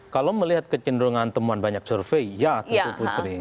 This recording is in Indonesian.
kalau melihat kecenderungan temuan banyak survei ya tentu putri